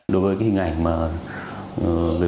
đối với hình ảnh mà